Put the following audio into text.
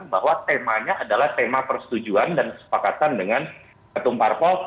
bahwa temanya adalah tema persetujuan dan kesepakatan dengan ketum parpol